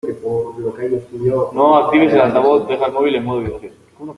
No actives el altavoz, deja el móvil en modo vibración.